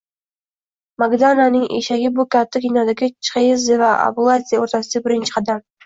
Magdananing eshagi - bu katta kinodagi Chxeidze va Abuladze o'rtasidagi birinchi qadam